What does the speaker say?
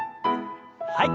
はい。